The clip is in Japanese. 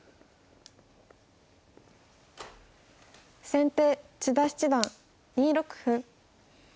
先手千田七段２六歩。